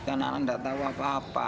anak anak tidak tahu apa apa